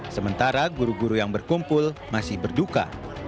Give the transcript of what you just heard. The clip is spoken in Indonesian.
sementara guru guru yang berkumpul masih berduka